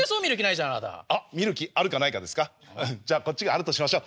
じゃこっちがあるとしましょう。